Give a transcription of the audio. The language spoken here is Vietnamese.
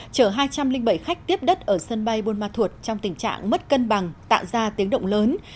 chở hai trăm linh bảy khách tiếp đất ở sân bay buôn ma thuột trong tình trạng mất cân bằng tạo ra tiếng động lớn